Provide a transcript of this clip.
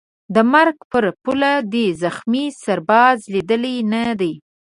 د مرګ پر پوله دي زخمي سرباز لیدلی نه دی